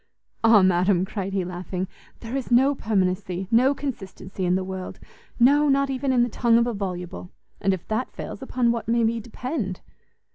"Ah, madam!" cried he, laughing, "there is no permanency, no consistency in the world! no, not even in the tongue of a VOLUBLE! and if that fails, upon what may we depend?"